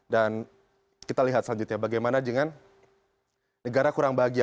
dan kita lihat selanjutnya bagaimana dengan negara kurang bahagia